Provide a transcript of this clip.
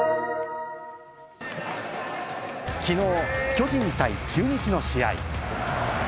昨日、巨人対中日の試合。